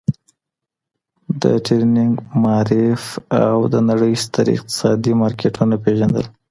د ټریډینګ معرف او د نړۍ ستر اقتصادي مارکیټونه پیږندل!